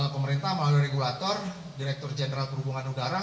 pemerintah melalui regulator direktur jenderal perhubungan udara